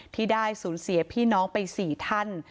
ที่ได้สูญเสียพี่น้องไป๔ท่าน